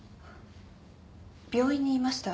病院にいました。